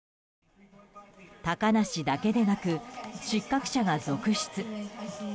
高梨だけでなく失格者が続出。